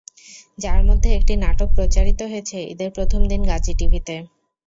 যার মধ্যে একটি নাটক প্রচারিত হয়েছে ঈদের প্রথম দিন গাজী টিভিতে।